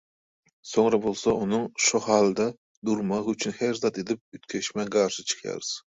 soňra bolsa onuň şo halda durmagy üçin her zat edip üýtgeşmä garşy çykýarys.